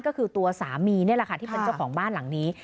ก็คือตัวสามีนี่แหละค่ะที่เป็นเจ้าของบ้านหลังนี้